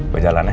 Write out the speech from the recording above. gue jalan ya